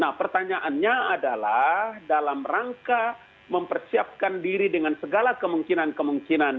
nah pertanyaannya adalah dalam rangka mempersiapkan diri dengan segala kemungkinan kemungkinan